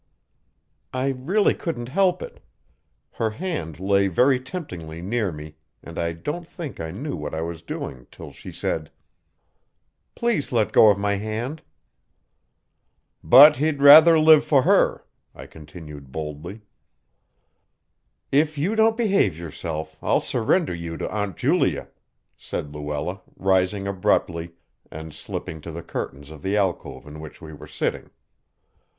I really couldn't help it. Her hand lay very temptingly near me, and I don't think I knew what I was doing till she said: "Please let go of my hand." "But he'd rather live for her," I continued boldly. "If you don't behave yourself, I'll surrender you to Aunt Julia," said Luella, rising abruptly and slipping to the curtains of the alcove in which we were sitting.